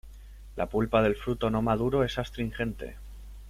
La pulpa del fruto no maduro es astringente.